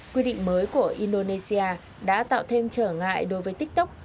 quy định mới của indonesia đã tạo thêm trở ngại đối với tiktok